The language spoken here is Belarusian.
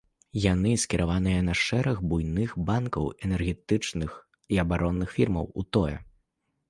Яны скіраваныя на шэраг буйных банкаў, энергетычных і абаронных фірмаў у тое.